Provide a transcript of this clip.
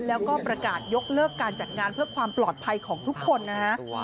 แล้วก็ประกาศยกเลิกการจัดงานเพื่อความปลอดภัยของทุกคนนะฮะ